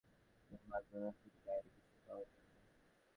তিন্নির মার পুরোনো চিঠিপত্র বা ডায়েরি, কিছুই পাওয়া গেল না।